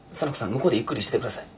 向こうでゆっくりしてて下さい。